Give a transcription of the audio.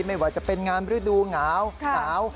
ไม่ว่าจะเป็นงานบริษัทดูหงาวสาว